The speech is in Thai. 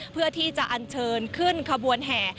เพื่อที่จะอันเชิญขึ้นขบวนแห่